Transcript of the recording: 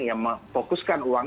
yang memfokuskan uang